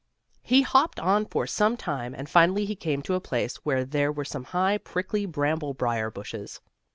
He hopped on for some time, and finally he came to a place where there were some high, prickly bramble briar bushes.